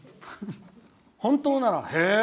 本当なら、へー！